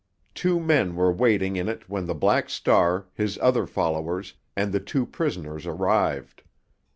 Two men were waiting in it when the Black Star, his other followers, and the two prisoners arrived.